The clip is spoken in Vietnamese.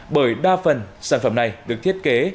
bởi đa phần sản phẩm này được thiết kế